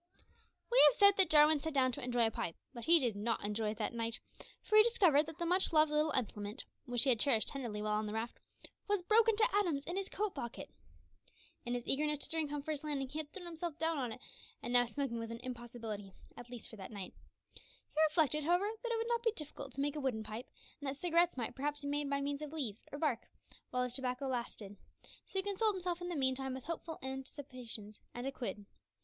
We have said that Jarwin sat down to enjoy a pipe, but he did not enjoy it that night, for he discovered that the much loved little implement, which he had cherished tenderly while on the raft, was broken to atoms in his coat pocket! In his eagerness to drink on first landing, he had thrown himself down on it, and now smoking was an impossibility, at least for that night. He reflected, however, that it would not be difficult to make a wooden pipe, and that cigarettes might perhaps be made by means of leaves, or bark, while his tobacco lasted; so he consoled himself in the meantime with hopeful anticipations, and a quid.